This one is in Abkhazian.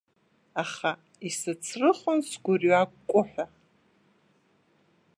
Аха исыцрыхон сгәырҩа акәкәыҳәа…